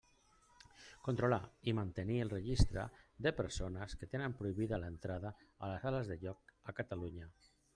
Controlar i mantenir el Registre de persones que tenen prohibida l'entrada a les sales de joc a Catalunya.